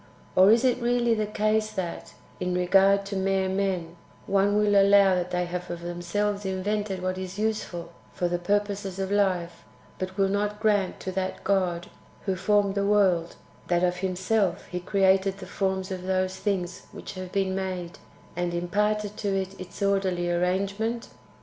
Or is it really the case that, in regard to mere men, one will allow that they have of themselves invented what is useful for the purposes of life, but will not grant to that God who formed the world, that of Himself He created the forms of those things ^Yhich have been made, and imparted to it its orderly arrangement